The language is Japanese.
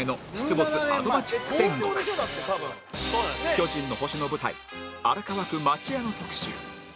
『巨人の星』の舞台荒川区町屋の特集